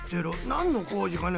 なんのこうじかな？